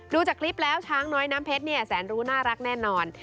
ดูจากคลิปแล้วช้างน้อยน้ำเพชรเนี่ยแสนรู้น่ารักแน่นอน